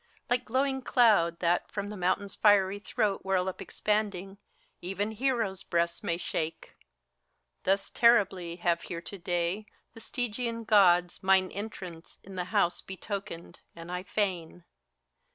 Like glowing clouds that from the mountain's fiery throat Whirl up expanding, even heroes' breasts may shake. Thus terribly have here to day the Stygian Gods Mine entrance in the house betokened, and I fain.